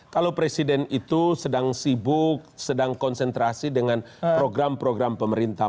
kalau presiden itu sedang sibuk sedang konsentrasi dengan program program pemerintah